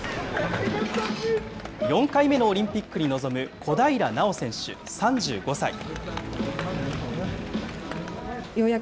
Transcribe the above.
４回目のオリンピックに臨む小平奈緒選手３５歳。